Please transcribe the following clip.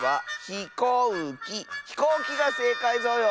「ひこうき」がせいかいぞよ！